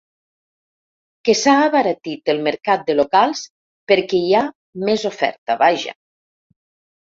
Que s’ha abaratit el mercat de locals perquè hi ha més oferta, vaja.